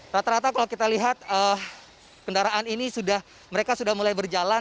rata rata kalau kita lihat kendaraan ini mereka sudah mulai berjalan